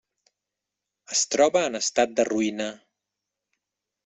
Es troba en estat de ruïna.